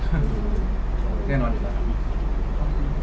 แน่นอนดีกว่าครับ